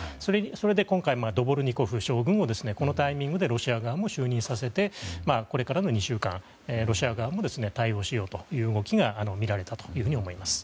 それで今回、ドボルニコフ将軍をこのタイミングでロシア側も就任させてこれからの２週間、ロシア側も対応しようという動きが見られたと思います。